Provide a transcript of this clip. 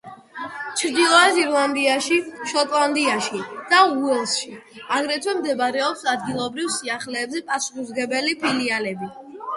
ჩრდილოეთ ირლანდიაში, შოტლანდიაში და უელსში აგრეთვე მდებარეობს ადგილობრივ სიახლეებზე პასუხისმგებელი ფილიალები.